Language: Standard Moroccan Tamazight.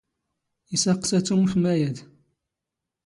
ⵉⵙⴰⵇⵙⴰ ⵜⵓⵎ ⴼ ⵎⴰⵢⴰⴷ.